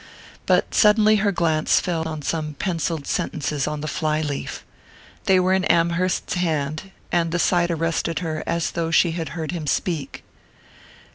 But suddenly her glance fell on some pencilled sentences on the fly leaf. They were in Amherst's hand, and the sight arrested her as though she had heard him speak.